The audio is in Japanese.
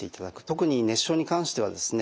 特に熱傷に関してはですね